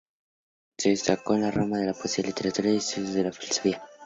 Se destacó en la rama de la poesía, literatura y estudio de la filosofía.